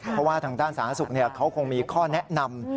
เพราะว่าทางด้านสาธารณสุขเขาคงมีข้อแนะนำ